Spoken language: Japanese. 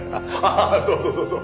ああそうそうそうそう。